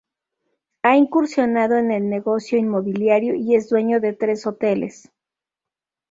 Ha incursionado en el negocio inmobiliario y es dueño de tres hoteles.